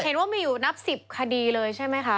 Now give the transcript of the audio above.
เห็นว่ามีอยู่นับ๑๐คดีเลยใช่ไหมคะ